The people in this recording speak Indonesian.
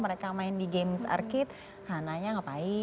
mereka main di games arkite hananya ngapain